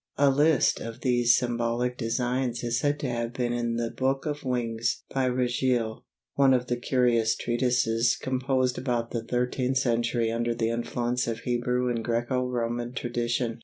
A list of these symbolic designs is said to have been given in the "Book of Wings," by Ragiel, one of the curious treatises composed about the thirteenth century under the influence of Hebrew and Greco Roman tradition.